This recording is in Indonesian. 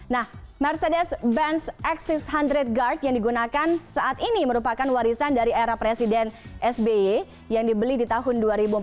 nah mercedes benz exis undrate guard yang digunakan saat ini merupakan warisan dari era presiden sby yang dibeli di tahun dua ribu empat belas